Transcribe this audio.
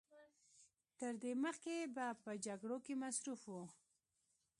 تر دې مخکې به په جګړو کې مصروف و.